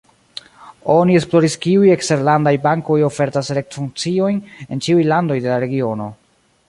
Oni esploris kiuj eksterlandaj bankoj ofertas retfunkciojn en ĉiuj landoj de la regiono.